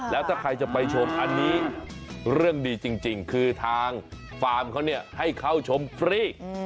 แล้วถ้าใครจะไปชมอันนี้เรื่องดีจริงคือทางฟาร์มเขาเนี่ยให้เข้าชมฟรี